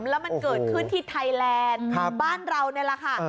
แล้วมันเกิดขึ้นที่ไทยแลนด์บ้านเรานี่แหละค่ะ